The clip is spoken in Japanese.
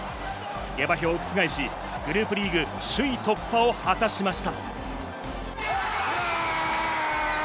下馬評を覆し、グループリーグ首位突破を果たしました。